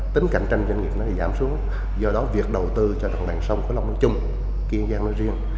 tính cạnh tranh doanh nghiệp giảm xuống do đó việc đầu tư cho đồng bằng sông cửu long nói chung kiên giang nói riêng